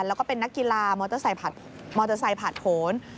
แล้วก็เป็นนักกีฬามอเตอร์ไซค์ผ่านผล